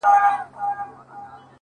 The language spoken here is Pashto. ژوند پکي اور دی; آتشستان دی;